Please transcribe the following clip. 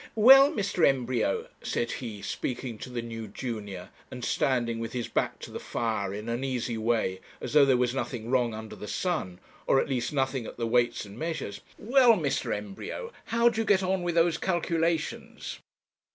'Well, Mr. Embryo,' said he, speaking to the new junior, and standing with his back to the fire in an easy way, as though there was nothing wrong under the sun, or at least nothing at the Weights and Measures, 'well, Mr. Embryo, how do you get on with those calculations?'